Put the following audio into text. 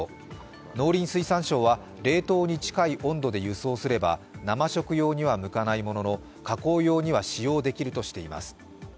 農林水産省は冷凍に近い温度で輸送すれば生食用には向かないものの加工用には使用できるとしています。